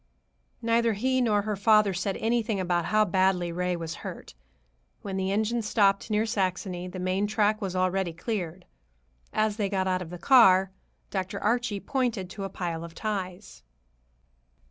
Neither he nor her father said anything about how badly Ray was hurt. When the engine stopped near Saxony, the main track was already cleared. As they got out of the car, Dr. Archie pointed to a pile of ties.